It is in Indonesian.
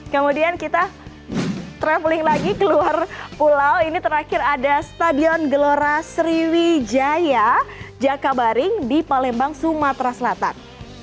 kemudian kita traveling lagi keluar pulau ini terakhir ada stadion gelora sriwijaya jakabaring di palembang sumatera selatan